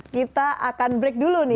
kita akan break dulu nih